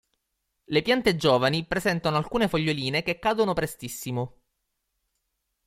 Le piante giovani presentano alcune foglioline che cadono prestissimo.